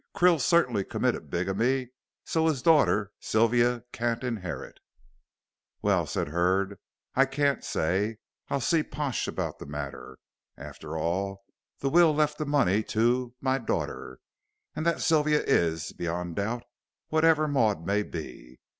Krill certainly committed bigamy, so his daughter Sylvia can't inherit." "Well," said Hurd, "I can't say. I'll see Pash about the matter. After all, the will left the money to 'my daughter,' and that Sylvia is beyond doubt, whatever Maud may be.